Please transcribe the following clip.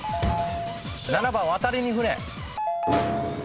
７番渡りに船。